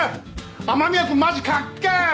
雨宮君マジかっけえ！